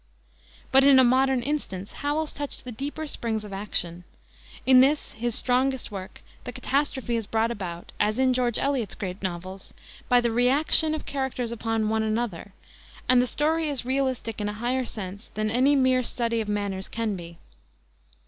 But in A Modern Instance Howells touched the deeper springs of action. In this, his strongest work, the catastrophe is brought about, as in George Eliot's great novels, by the reaction of characters upon one another, and the story is realistic in a higher sense than any mere study of manners can be.